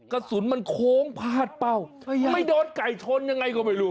กระสุนมันโค้งพาดเป้าไปโดนไก่ชนยังไงก็ไม่รู้